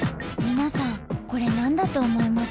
皆さんこれ何だと思います？